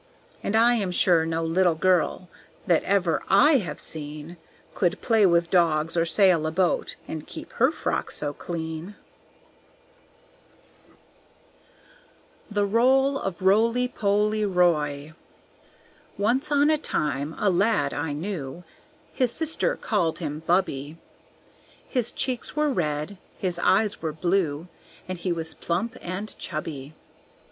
And I am sure no little girl That ever I have seen, Could play with dogs or sail a boat And keep her frock so clean. The Roll of Roly Poly Roy Once on a time a lad I knew His sister called him Bubby; His cheeks were red, his eyes were blue, And he was plump and chubby.